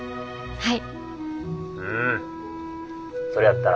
はい。